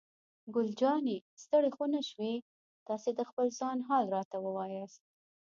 ګل جانې: ستړی خو نه شوې؟ تاسې د خپل ځان حال راته ووایاست.